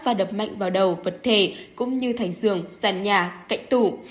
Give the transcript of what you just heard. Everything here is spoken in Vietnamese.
và đập mạnh vào đầu vật thể cũng như thành giường sàn nhà cạnh tủ